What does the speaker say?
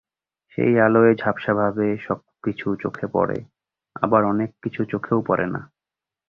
সেই আলোয় ঝাপসাভাবে সবকিছু চোখে পড়ে, আবার অনেক কিছু চোখেও পড়ে না।